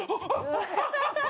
アハハハ！